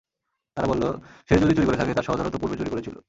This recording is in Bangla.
তারা বলল, সে যদি চুরি করে থাকে তার সহোদরও তো পূর্বে চুরি করেছিল।